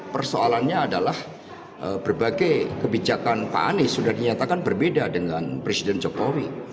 persoalannya adalah berbagai kebijakan pak anies sudah dinyatakan berbeda dengan presiden jokowi